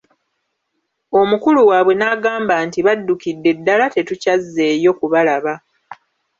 Omukulu waabwe n'agamba nti Baddukidde ddala tetukyazzeeyo kubalaba.